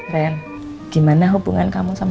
rem gimana hubungan kamu sama dia